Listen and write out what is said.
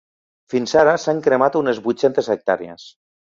Fins ara s’han cremat unes vuit-cents hectàrees.